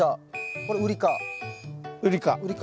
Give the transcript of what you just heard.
これウリ科？